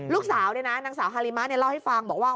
ลูกสาวเนี่ยนะนางสาวฮาริมะเล่าให้ฟังบอกว่า